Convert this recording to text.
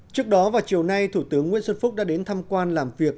trước đó vào chiều nay thủ tướng nguyễn xuân phúc đã đến thăm quan làm việc